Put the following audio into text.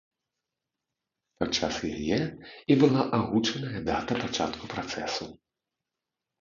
Падчас яе і была агучаная дата пачатку працэсу.